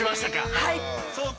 はい。